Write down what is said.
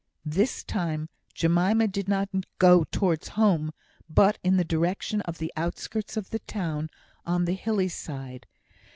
This time Jemima did not go towards home, but in the direction of the outskirts of the town, on the hilly side.